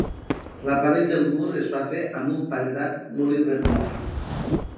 L'aparell del mur es va fer amb un paredat molt irregular.